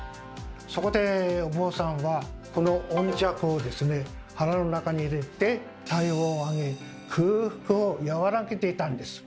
そこでお坊さんはこの温石をですね腹の中に入れて体温を上げ空腹を和らげていたんです。